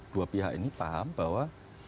dua pihak ini paham bahwa